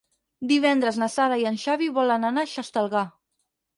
Divendres na Sara i en Xavi volen anar a Xestalgar.